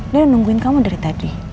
dia nungguin kamu dari tadi